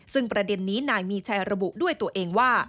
ซึ่งประเด็นนี้นายมีชัยระบุด้วยตัวเองว่า